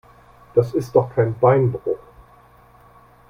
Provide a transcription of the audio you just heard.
Das ist doch kein Beinbruch.